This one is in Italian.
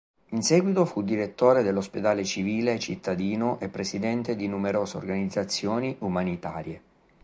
In seguito fu direttore dell'Ospedale Civile cittadino e presidente di numerose organizzazioni umanitarie.